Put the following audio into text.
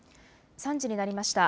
３時になりました。